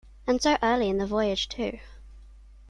And so early in the voyage, too.